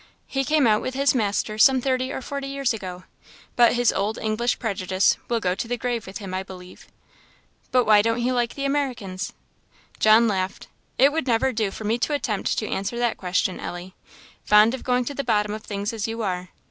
He came out with his master some thirty or forty years ago, but his old English prejudice will go to the grave with him, I believe." "But why don't he like the Americans?" John laughed. "It would never do for me to attempt to answer that question, Ellie; fond of going to the bottom of things as you are.